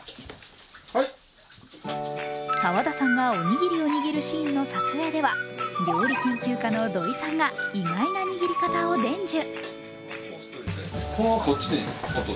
沢田さんが、おにぎりを握るシーンの撮影では料理研究家の土井さんが意外な握り方を伝授。